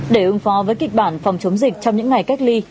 để ứng phó với kịch bản phòng chống dịch trong những ngày cách ly